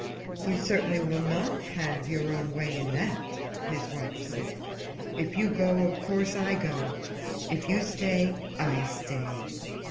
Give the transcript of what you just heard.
"You certainly will not have your own way in that," his wife said. "If you go of course I go; if you stay I stay.